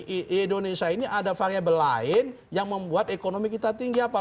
di indonesia ini ada variable lain yang membuat ekonomi kita tinggi apa